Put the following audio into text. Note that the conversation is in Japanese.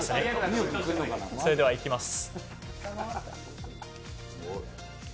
それでは、いきます。